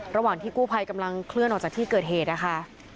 ระหว่างที่กู้ภัยกำลังเคลื่อนออกจากที่เกิดเหตุนะคะ